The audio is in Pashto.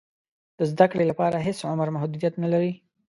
د زده کړې لپاره هېڅ عمر محدودیت نه لري.